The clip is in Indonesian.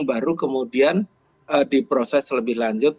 baru kemudian diproses lebih lanjut